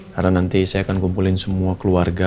karena nanti saya akan kumpulin semua keluarga